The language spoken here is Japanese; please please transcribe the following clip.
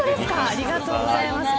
ありがとうございます。